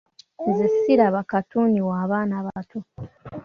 Nze siraba katuuni w'abaana bato.